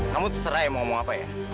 kamu terserah yang mau ngomong apa ya